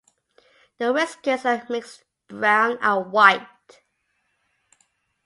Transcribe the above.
The whiskers are mixed brown and white.